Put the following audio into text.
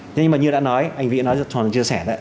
nhưng mà như đã nói anh vĩ đã nói rồi